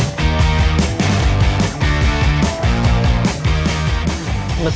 masih ada yang nyesuai